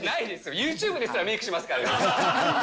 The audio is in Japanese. ユーチューブですらメークしますから。